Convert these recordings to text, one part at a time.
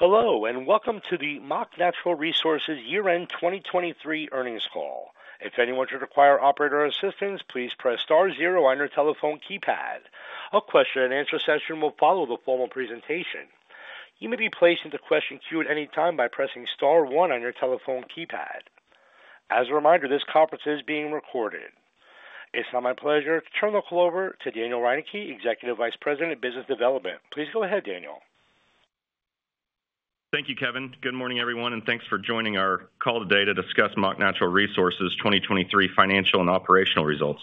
Hello, and welcome to the Mach Natural Resources Year-End 2023 Earnings Call. If anyone should require operator assistance, please press star zero on your telephone keypad. A question-and-answer session will follow the formal presentation. You may be placed into question queue at any time by pressing star one on your telephone keypad. As a reminder, this conference is being recorded. It's now my pleasure to turn the call over to Daniel Reineke, Executive Vice President of Business Development. Please go ahead, Daniel. Thank you, Kevin. Good morning, everyone, and thanks for joining our call today to discuss Mach Natural Resources' 2023 financial and operational results.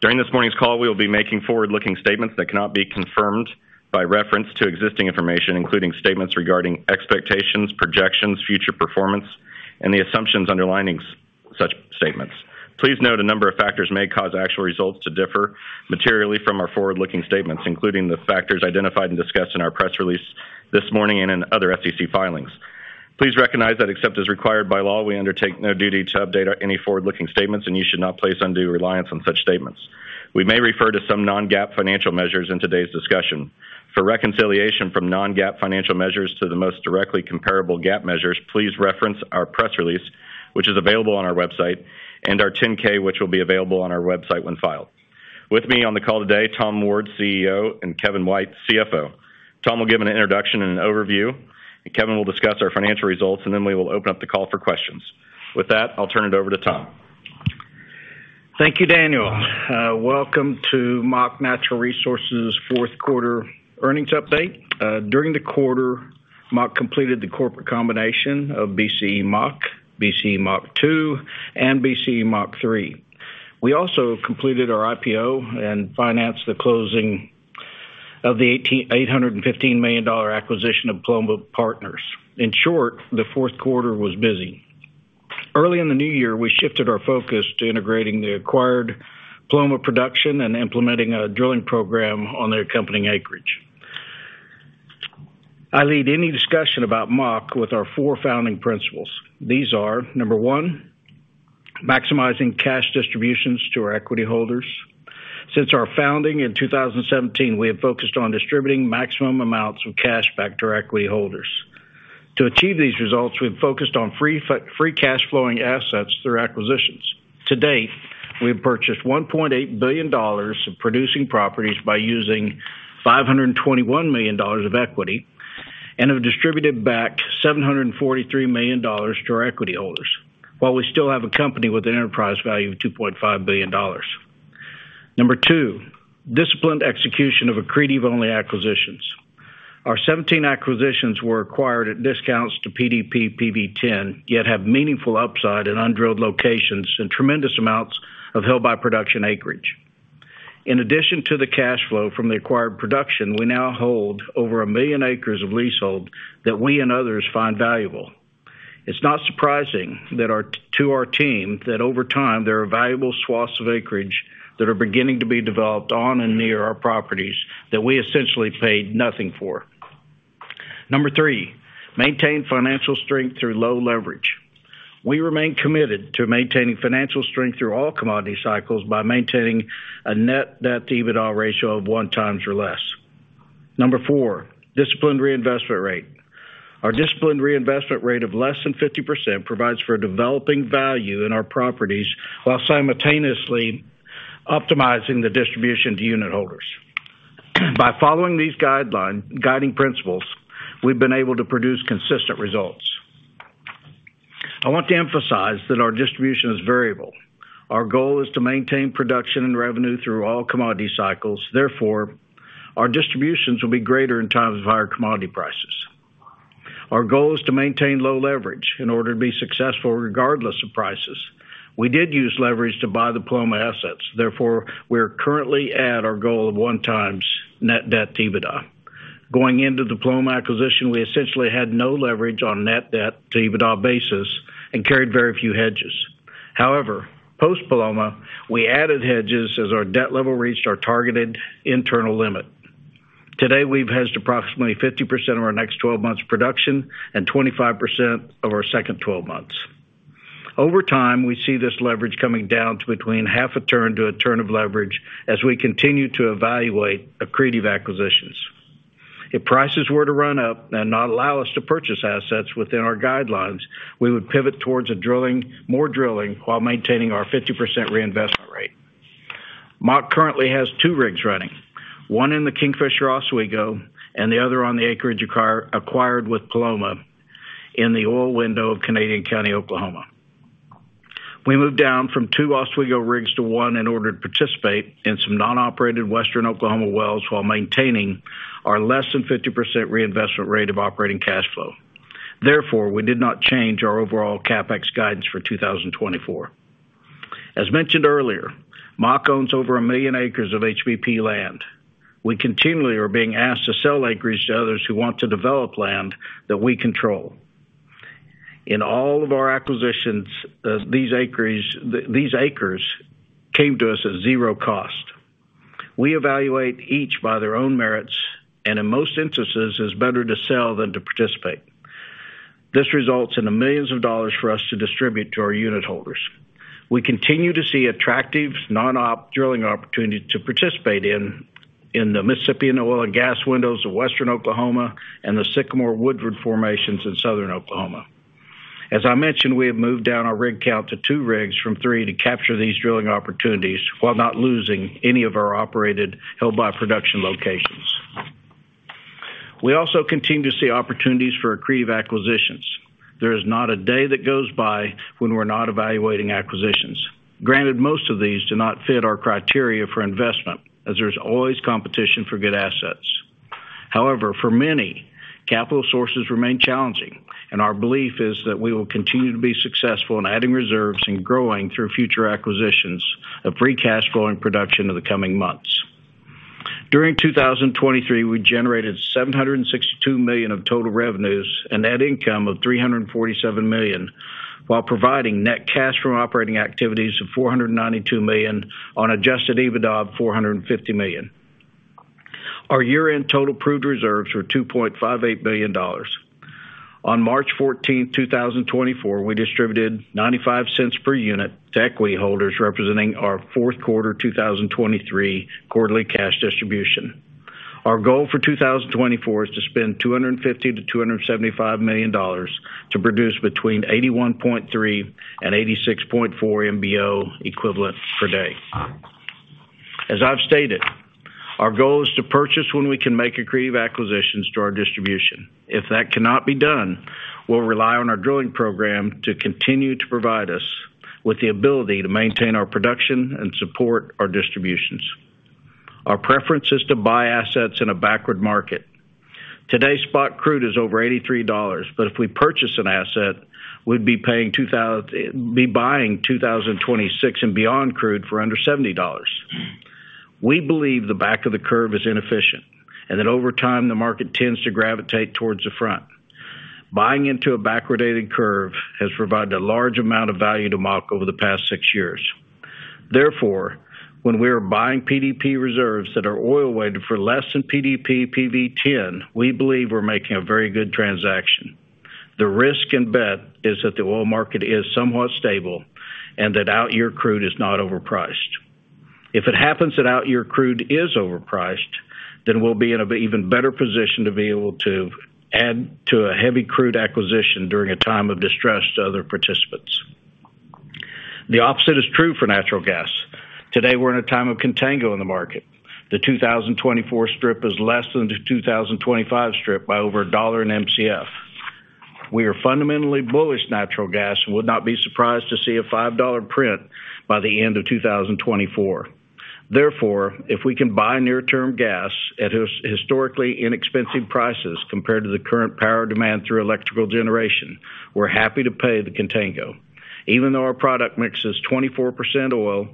During this morning's call, we will be making forward-looking statements that cannot be confirmed by reference to existing information, including statements regarding expectations, projections, future performance, and the assumptions underlying such statements. Please note a number of factors may cause actual results to differ materially from our forward-looking statements, including the factors identified and discussed in our press release this morning and in other SEC filings. Please recognize that except as required by law, we undertake no duty to update any forward-looking statements, and you should not place undue reliance on such statements. We may refer to some non-GAAP financial measures in today's discussion. For reconciliation from non-GAAP financial measures to the most directly comparable GAAP measures, please reference our press release, which is available on our website, and our 10-K, which will be available on our website when filed. With me on the call today, Tom Ward, CEO, and Kevin White, CFO. Tom will give an introduction and an overview, and Kevin will discuss our financial results, and then we will open up the call for questions. With that, I'll turn it over to Tom. Thank you, Daniel. Welcome to Mach Natural Resources' fourth quarter earnings update. During the quarter, Mach completed the corporate combination of BCE-Mach, BCE-Mach II, and BCE-Mach III. We also completed our IPO and financed the closing of the $815 million acquisition of Paloma Partners. In short, the fourth quarter was busy. Early in the new year, we shifted our focus to integrating the acquired Paloma production and implementing a drilling program on their accompanying acreage. I lead any discussion about Mach with our four founding principles. These are, number one, maximizing cash distributions to our equity holders. Since our founding in 2017, we have focused on distributing maximum amounts of cash back to our equity holders. To achieve these results, we've focused on free cash flowing assets through acquisitions. To date, we've purchased $1.8 billion of producing properties by using $521 million of equity and have distributed back $743 million to our equity holders, while we still have a company with an enterprise value of $2.5 billion. Number 2, disciplined execution of accretive-only acquisitions. Our 17 acquisitions were acquired at discounts to PDP PV-10, yet have meaningful upside in undrilled locations and tremendous amounts of held by production acreage. In addition to the cash flow from the acquired production, we now hold over 1 million acres of leasehold that we and others find valuable. It's not surprising to our team, that over time, there are valuable swaths of acreage that are beginning to be developed on and near our properties that we essentially paid nothing for. Number three, maintain financial strength through low leverage. We remain committed to maintaining financial strength through all commodity cycles by maintaining a net debt to EBITDA ratio of 1x or less. Number four, disciplined reinvestment rate. Our disciplined reinvestment rate of less than 50% provides for developing value in our properties while simultaneously optimizing the distribution to unitholders. By following these guiding principles, we've been able to produce consistent results. I want to emphasize that our distribution is variable. Our goal is to maintain production and revenue through all commodity cycles. Therefore, our distributions will be greater in times of higher commodity prices. Our goal is to maintain low leverage in order to be successful, regardless of prices. We did use leverage to buy the Paloma assets. Therefore, we are currently at our goal of 1x net debt to EBITDA. Going into the Paloma acquisition, we essentially had no leverage on a net debt to EBITDA basis and carried very few hedges. However, post-Paloma, we added hedges as our debt level reached our targeted internal limit. Today, we've hedged approximately 50% of our next twelve months' production and 25% of our second twelve months. Over time, we see this leverage coming down to between 0.5-1 turn of leverage as we continue to evaluate accretive acquisitions. If prices were to run up and not allow us to purchase assets within our guidelines, we would pivot towards a drilling, more drilling while maintaining our 50% reinvestment rate. Mach currently has 2 rigs running, one in the Kingfisher Oswego and the other on the acreage acquired with Paloma in the oil window of Canadian County, Oklahoma. We moved down from 2 Oswego rigs to 1 in order to participate in some non-operated Western Oklahoma wells while maintaining our less than 50% reinvestment rate of operating cash flow. Therefore, we did not change our overall CapEx guidance for 2024. As mentioned earlier, Mach owns over 1 million acres of HBP land. We continually are being asked to sell acreage to others who want to develop land that we control. In all of our acquisitions, these acres came to us at zero cost. We evaluate each by their own merits, and in most instances, it's better to sell than to participate. This results in millions of dollars for us to distribute to our unit holders. We continue to see attractive non-op drilling opportunities to participate in, in the Mississippian and oil and gas windows of Western Oklahoma and the Sycamore Woodford formations in Southern Oklahoma. As I mentioned, we have moved down our rig count to 2 rigs from 3 to capture these drilling opportunities while not losing any of our operated, held by production locations. We also continue to see opportunities for accretive acquisitions. There is not a day that goes by when we're not evaluating acquisitions. Granted, most of these do not fit our criteria for investment, as there's always competition for good assets. However, for many, capital sources remain challenging, and our belief is that we will continue to be successful in adding reserves and growing through future acquisitions of free cash flow and production in the coming months. During 2023, we generated $762 million of total revenues and net income of $347 million, while providing net cash from operating activities of $492 million on Adjusted EBITDA of $450 million. Our year-end total proved reserves were $2.58 billion. On March 14, 2024, we distributed $0.95 per unit to equity holders, representing our fourth quarter 2023 quarterly cash distribution. Our goal for 2024 is to spend $250 million-$275 million to produce between 81.3 and 86.4 MBoe per day. As I've stated, our goal is to purchase when we can make accretive acquisitions to our distribution. If that cannot be done, we'll rely on our drilling program to continue to provide us with the ability to maintain our production and support our distributions. Our preference is to buy assets in a backward market. Today, spot crude is over $83, but if we purchase an asset, we'd be buying 2026 and beyond crude for under $70. We believe the back of the curve is inefficient, and that over time, the market tends to gravitate towards the front. Buying into a backwardated curve has provided a large amount of value to Mach over the past six years. Therefore, when we are buying PDP reserves that are oil-weighted for less than PDP PV-10, we believe we're making a very good transaction. The risk and bet is that the oil market is somewhat stable and that out-year crude is not overpriced. If it happens that out-year crude is overpriced, then we'll be in an even better position to be able to add to a heavy crude acquisition during a time of distress to other participants. The opposite is true for natural gas. Today, we're in a time of contango in the market. The 2024 strip is less than the 2025 strip by over $1/Mcf. We are fundamentally bullish natural gas and would not be surprised to see a $5 print by the end of 2024. Therefore, if we can buy near term gas at historically inexpensive prices compared to the current power demand through electrical generation, we're happy to pay the contango. Even though our product mix is 24% oil,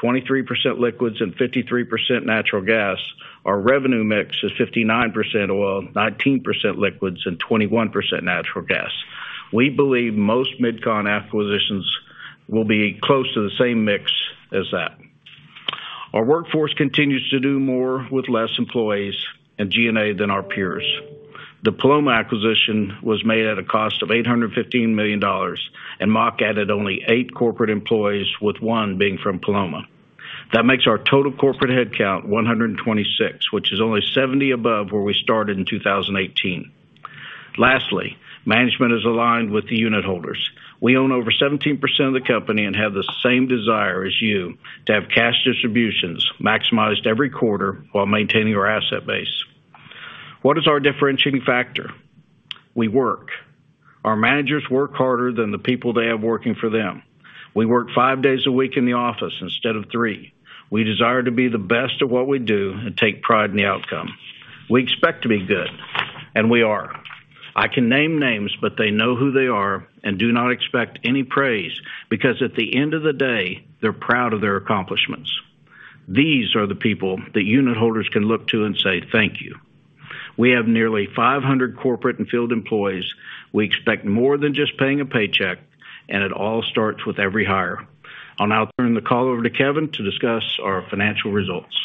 23% liquids, and 53% natural gas, our revenue mix is 59% oil, 19% liquids, and 21% natural gas. We believe most MidCon acquisitions will be close to the same mix as that. Our workforce continues to do more with less employees and G&A than our peers. The Paloma acquisition was made at a cost of $815 million, and Mach added only 8 corporate employees, with one being from Paloma. That makes our total corporate headcount 126, which is only 70 above where we started in 2018. Lastly, management is aligned with the unitholders. We own over 17% of the company and have the same desire as you to have cash distributions maximized every quarter while maintaining our asset base. What is our differentiating factor? We work. Our managers work harder than the people they have working for them. We work five days a week in the office instead of three. We desire to be the best at what we do and take pride in the outcome. We expect to be good, and we are. I can name names, but they know who they are and do not expect any praise, because at the end of the day, they're proud of their accomplishments. These are the people that unitholders can look to and say, "Thank you." We have nearly 500 corporate and field employees. We expect more than just paying a paycheck, and it all starts with every hire. I'll now turn the call over to Kevin to discuss our financial results.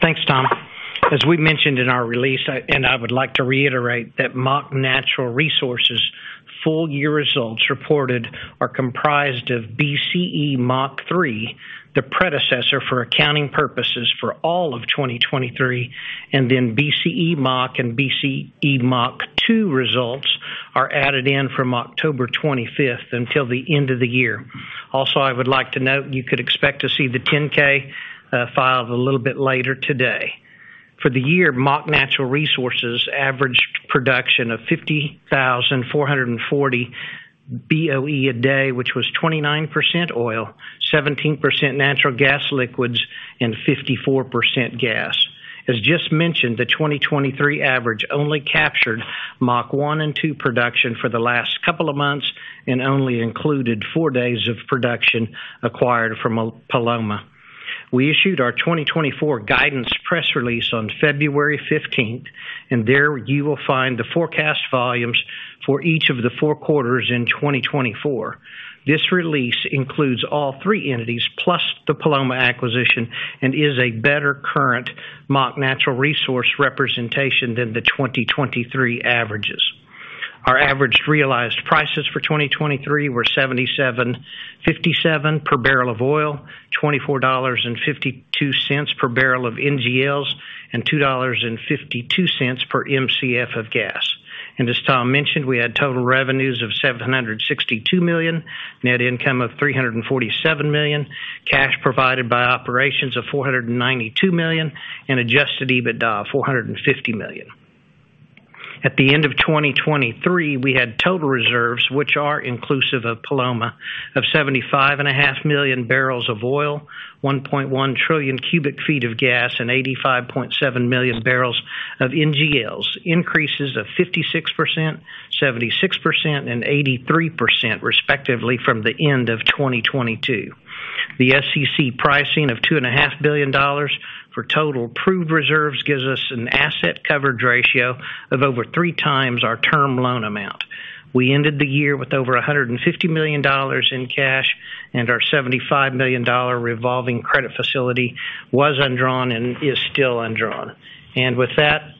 Thanks, Tom. As we mentioned in our release, and I would like to reiterate that Mach Natural Resources' full year results reported are comprised of BCE-Mach III, the predecessor for accounting purposes for all of 2023, and then BCE-Mach and BCE-Mach II results are added in from October 25th until the end of the year. Also, I would like to note you could expect to see the 10-K filed a little bit later today. For the year, Mach Natural Resources averaged production of 50,400 BOE a day, which was 29% oil, 17% natural gas liquids, and 54% gas. As just mentioned, the 2023 average only captured Mach I and II production for the last couple of months and only included 4 days of production acquired from Paloma. We issued our 2024 guidance press release on February fifteenth, and there you will find the forecast volumes.... for each of the four quarters in 2024. This release includes all three entities, plus the Paloma acquisition, and is a better current Mach Natural Resources representation than the 2023 averages. Our average realized prices for 2023 were $77.57 per barrel of oil, $24.52 per barrel of NGLs, and $2.52 per Mcf of gas. And as Tom mentioned, we had total revenues of $762 million, net income of $347 million, cash provided by operations of $492 million, and Adjusted EBITDA of $450 million. At the end of 2023, we had total reserves, which are inclusive of Paloma, of 75.5 million barrels of oil, 1.1 trillion cubic feet of gas, and 85.7 million barrels of NGLs, increases of 56%, 76% and 83%, respectively, from the end of 2022. The SEC pricing of $2.5 billion for total proved reserves gives us an asset coverage ratio of over 3x our term loan amount. We ended the year with over $150 million in cash, and our $75 million revolving credit facility was undrawn and is still undrawn. And with that,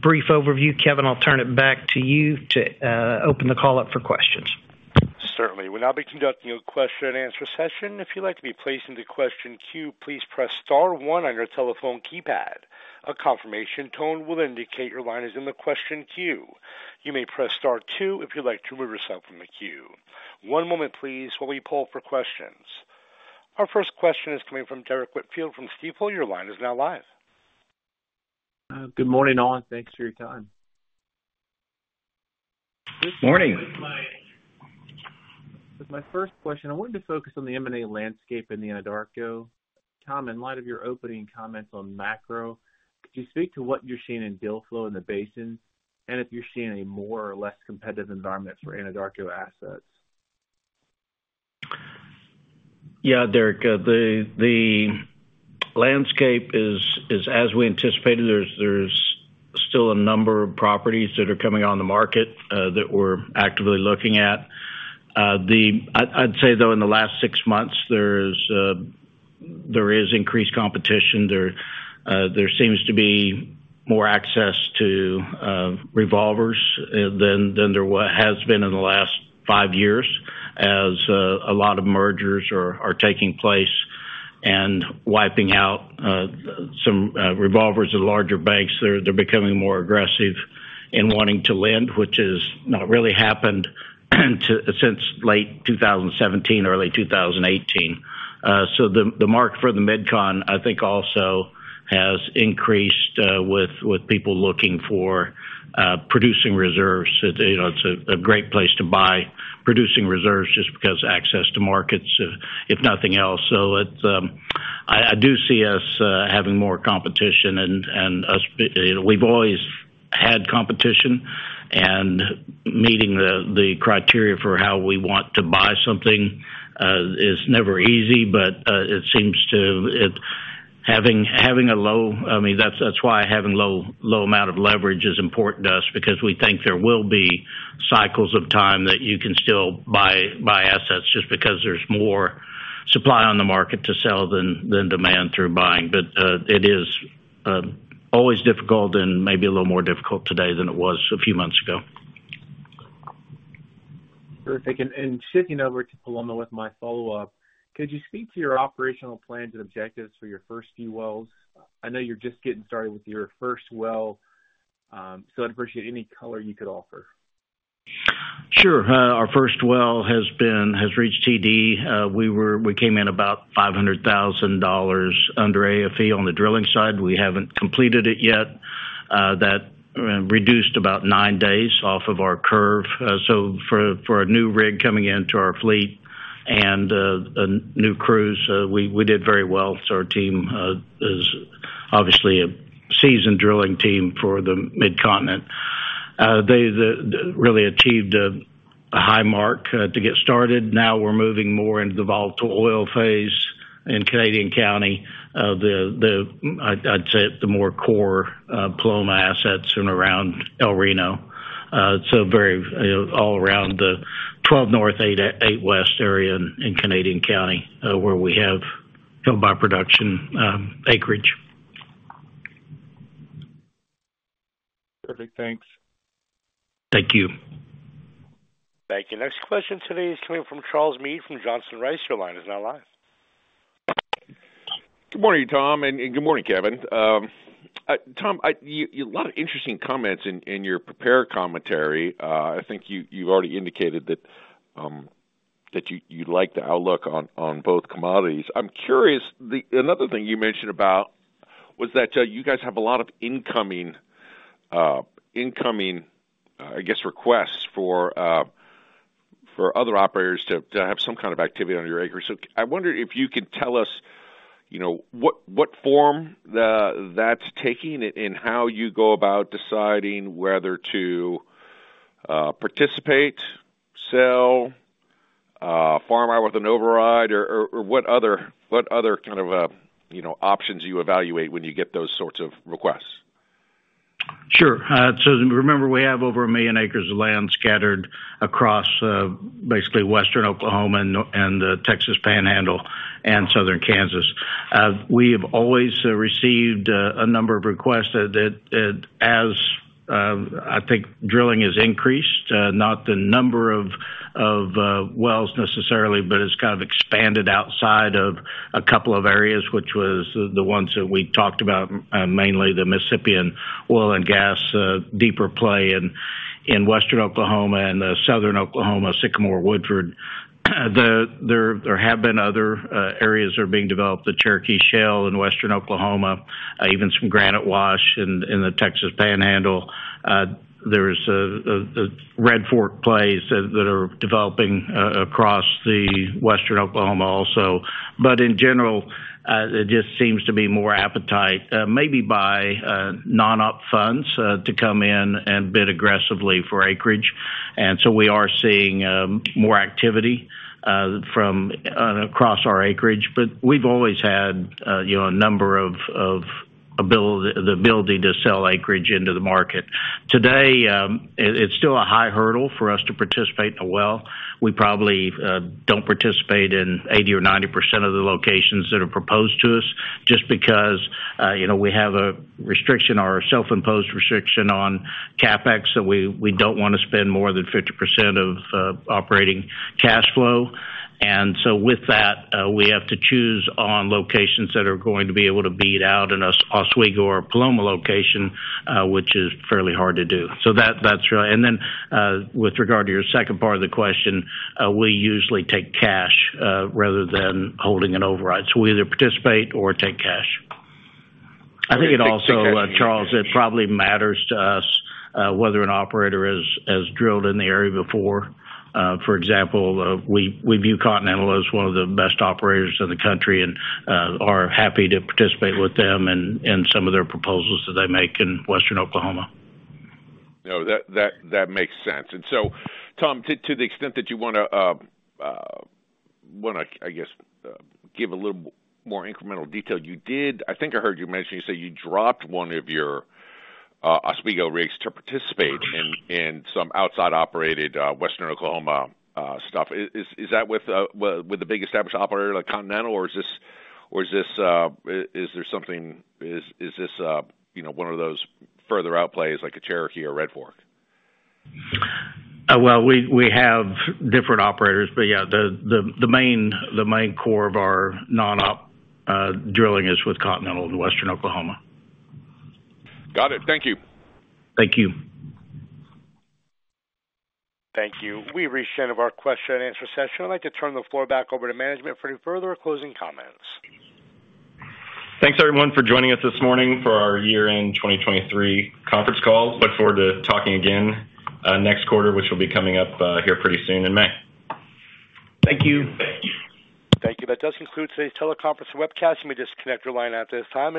brief overview, Kevin, I'll turn it back to you to open the call up for questions. Certainly. We'll now be conducting a question and answer session. If you'd like to be placed into question queue, please press star one on your telephone keypad. A confirmation tone will indicate your line is in the question queue. You may press star two if you'd like to remove yourself from the queue. One moment, please, while we poll for questions. Our first question is coming from Derrick Whitfield from Stifel. Your line is now live. Good morning, all. Thanks for your time. Good morning. With my first question, I wanted to focus on the M&A landscape in the Anadarko. Tom, in light of your opening comments on macro, could you speak to what you're seeing in deal flow in the basin, and if you're seeing a more or less competitive environment for Anadarko assets? Yeah, Derrick, the landscape is as we anticipated. There's still a number of properties that are coming on the market that we're actively looking at. I'd say, though, in the last six months, there is increased competition. There seems to be more access to revolvers than there has been in the last five years, as a lot of mergers are taking place and wiping out some revolvers and larger banks. They're becoming more aggressive in wanting to lend, which has not really happened since late 2017, early 2018. So the market for the MidCon, I think, also has increased with people looking for producing reserves. You know, it's a great place to buy producing reserves just because access to markets, if nothing else. So it's. I do see us having more competition and we've always had competition, and meeting the criteria for how we want to buy something is never easy, but having a low, I mean, that's why having low amount of leverage is important to us, because we think there will be cycles of time that you can still buy assets just because there's more supply on the market to sell than demand through buying. But it is always difficult and maybe a little more difficult today than it was a few months ago. Perfect. And shifting over to Paloma with my follow-up, could you speak to your operational plans and objectives for your first few wells? I know you're just getting started with your first well, so I'd appreciate any color you could offer. Sure. Our first well has reached TD. We came in about $500,000 under AFE on the drilling side. We haven't completed it yet. That reduced about 9 days off of our curve. So for a new rig coming into our fleet and new crews, we did very well. So our team is obviously a seasoned drilling team for the Mid-Continent. They really achieved a high mark to get started. Now we're moving more into the volatile oil phase in Canadian County, the more core Paloma assets and around El Reno. So very, you know, all around the 12 North, 8, 8 West area in Canadian County, where we have held by production acreage. Perfect. Thanks. Thank you. Thank you. Next question today is coming from Charles Meade from Johnson Rice. Your line is now live. Good morning, Tom, and good morning, Kevin. Tom, a lot of interesting comments in your prepared commentary. I think you've already indicated that you like the outlook on both commodities. I'm curious, another thing you mentioned was about that you guys have a lot of incoming requests for other operators to have some kind of activity on your acres. So I wonder if you could tell us, you know, what form that's taking and how you go about deciding whether to participate, sell, farm out with an override, or what other kind of, you know, options do you evaluate when you get those sorts of requests? Sure. So remember, we have over 1 million acres of land scattered across basically Western Oklahoma and the Texas Panhandle and southern Kansas. We have always received a number of requests that as I think drilling has increased, not the number of wells necessarily, but it's kind of expanded outside of a couple of areas, which was the ones that we talked about, mainly the Mississippian oil and gas deeper play in Western Oklahoma and Southern Oklahoma, Sycamore Woodford. There have been other areas that are being developed, the Cherokee Shale in Western Oklahoma, even some Granite Wash in the Texas Panhandle. There's the Red Fork plays that are developing across Western Oklahoma also. But in general, there just seems to be more appetite, maybe by non-op funds, to come in and bid aggressively for acreage. And so we are seeing more activity from across our acreage. But we've always had, you know, a number of abilities, the ability to sell acreage into the market. Today, it's still a high hurdle for us to participate in a well. We probably don't participate in 80% or 90% of the locations that are proposed to us, just because, you know, we have a restriction or a self-imposed restriction on CapEx, so we don't wanna spend more than 50% of operating cash flow. And so with that, we have to choose on locations that are going to be able to beat out an Oswego or Paloma location, which is fairly hard to do. So that, that's right. And then, with regard to your second part of the question, we usually take cash, rather than holding an override. So we either participate or take cash. I think it also, Charles, it probably matters to us, whether an operator has drilled in the area before. For example, we view Continental as one of the best operators in the country and are happy to participate with them in some of their proposals that they make in Western Oklahoma. No, that makes sense. So, Tom, to the extent that you wanna, I guess, give a little more incremental detail, you did. I think I heard you mention, you say you dropped one of your Oswego rigs to participate in some outside-operated western Oklahoma stuff. Is that with a big established operator like Continental, or is this, is there something - is this, you know, one of those further out plays, like a Cherokee or Red Fork? Well, we have different operators, but yeah, the main core of our non-op drilling is with Continental in Western Oklahoma. Got it. Thank you. Thank you. Thank you. We've reached the end of our question and answer session. I'd like to turn the floor back over to management for any further closing comments. Thanks, everyone, for joining us this morning for our year-end 2023 conference call. Look forward to talking again, next quarter, which will be coming up, here pretty soon in May. Thank you. Thank you. Thank you. That does conclude today's teleconference and webcast. You may disconnect your line at this time.